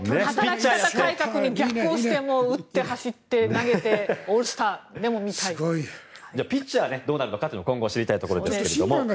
働き方改革に逆行して打って走って投げてピッチャーどうなるかというところが知りたいところですが。